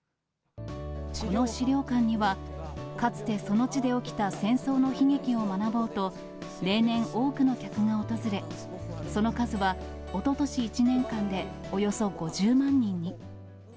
この資料館には、かつてその地で起きた戦争の悲劇を学ぼうと、例年、多くの客が訪れ、その数は、おととし１年間でおよそ５０万人に。